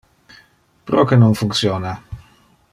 Proque non functiona?